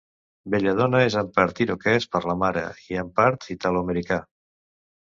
Belladonna és en part iroquès per la mare i en part italoamericà.